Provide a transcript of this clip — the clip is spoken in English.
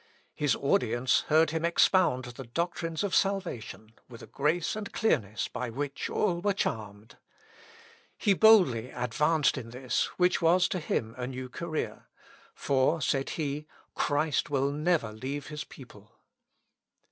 His audience heard him expound the doctrines of salvation with a grace and clearness by which all were charmed. He boldly advanced in this, which was to him a new career; "for," said he, "Christ will never leave his people."